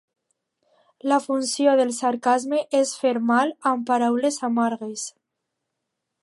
La funció del sarcasme és fer mal amb paraules amargues.